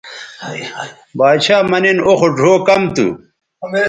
باڇھا مہ نِن او خو ڙھؤ کم تھو